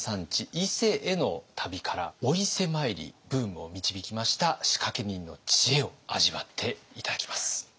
伊勢への旅からお伊勢参りブームを導きました仕掛け人の知恵を味わって頂きます。